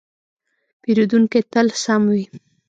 پیرودونکی تل سم وي.